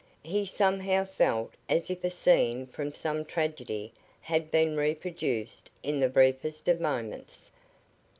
He somehow felt as if a scene from some tragedy had been reproduced in that briefest of moments.